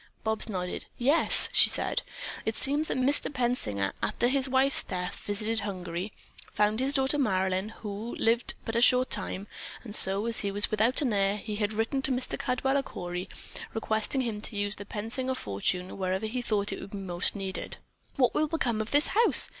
Bobs nodded. "Yes," she said. "It seems that Mr. Pensinger, after his wife's death, visited Hungary, found his daughter Marilyn, who lived but a short time, and so, as he was without an heir, he had written Mr. Caldwaller Cory, requesting him to use the Pensinger fortune wherever he thought it would be most needed." "What will become of this house?"